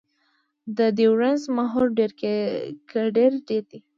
د یورانوس محور ډېر کډېر دی.